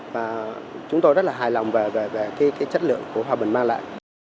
và chúng tôi rất là hài lòng về cái chất lượng của hòa bình mang lại